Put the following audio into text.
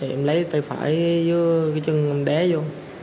em lấy tay phải dưới cái chân em đé vô